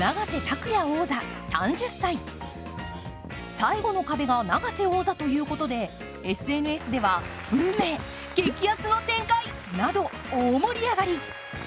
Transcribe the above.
最後の壁が永瀬王座ということでＳＮＳでは運命、激アツの展開など大盛り上がり。